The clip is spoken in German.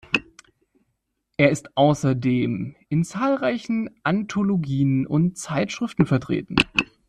Er ist außerdem in zahlreichen Anthologien und Zeitschriften vertreten.